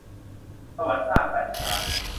สวรรค์สร้าง - กัญญ์ชลา